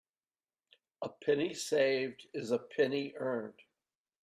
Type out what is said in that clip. A penny saved is a penny earned.